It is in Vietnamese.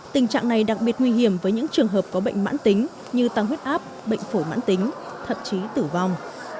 tình trạng này đặc biệt nguy hiểm với những trường hợp có bệnh mãn tính như tăng huyết áp bệnh phổi mãn tính thậm chí tử vong